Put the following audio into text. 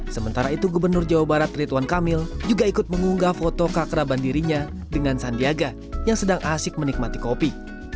sementara itu gubernur jawa barat rituan kamil juga ikut mengunggah foto keakraban dirinya dengan sandiaga yang sedang asik menikmati kopi